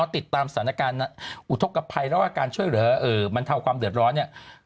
ติดตามสถานการณ์อุทธกภัยแล้วก็การช่วยเหลือบรรเทาความเดือดร้อนเนี่ย